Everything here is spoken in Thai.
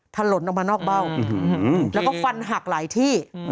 ถล่นออกมานอกเบ้าแล้วก็ฟันหักหลายที่